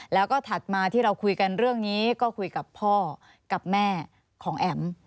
แล้วก็ถัดมาที่เราคุยกันเรื่องนี้ก็คุยกับพ่อกับแม่ของแอ๋ม